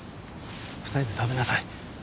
２人で食べなさい。